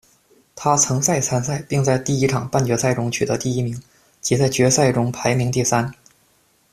他曾再参赛，并在第一场半决赛中取得第一名，及在决赛中排名第三。